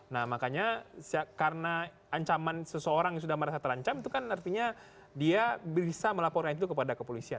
nah makanya karena ancaman seseorang yang sudah merasa terancam itu kan artinya dia bisa melaporkan itu kepada kepolisian